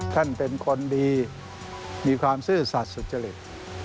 ท่านเป็นคนดีมีความซื่อสัตว์สุจริต